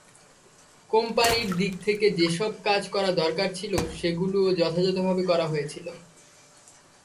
কোম্পানির দিক থেকে যেসব কাজ করা দরকার ছিল, সেগুলোও যথাযথভাবে করা হয়েছিল।